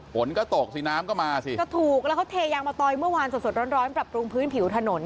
ฝนก็ตกสิน้ำก็มาสิ